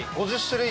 ５０種類